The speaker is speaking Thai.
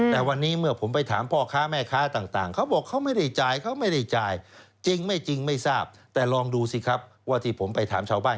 แต่วันนี้เมื่อผมไปถามพ่อค้าแม่ค้าต่าง